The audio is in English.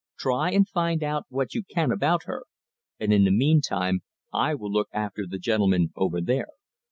Try and find out what you can about her, and in the meantime I will look after the gentleman over there.